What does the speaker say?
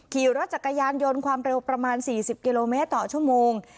ขี่รถจักรยานยนต์ความเร็วประมาณ๔๐กิโลเมตรต่อชั่วโมง